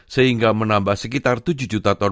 sehingga menambah sekitar tujuh juta ton